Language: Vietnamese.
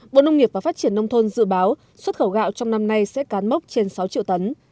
bộ nông nghiệp và phát triển nông thôn dự báo xuất khẩu gạo trong năm nay sẽ cán mốc trên sáu triệu tấn